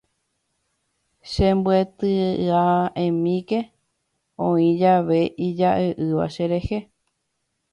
Chembyetia'emíke oĩ jave ijae'ỹva cherehe.